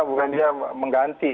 bukan dia mengganti